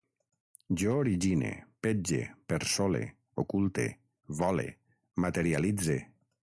Jo origine, petge, persole, oculte, vole, materialitze